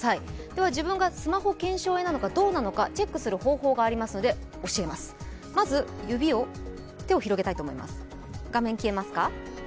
では自分がスマホ腱鞘炎なのかどうなのかチェックする方法がありますので教えます。